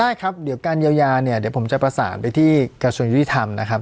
ครับเดี๋ยวการเยียวยาเนี่ยเดี๋ยวผมจะประสานไปที่กระทรวงยุติธรรมนะครับ